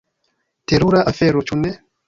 Terura afero, ĉu ne?